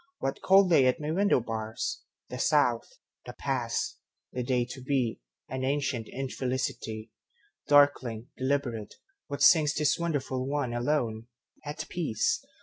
What call they at my window bars? The South, the past, the day to be, An ancient infelicity. Darkling, deliberate, what singsThis wonderful one, alone, at peace?